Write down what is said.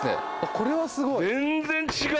これはすごい。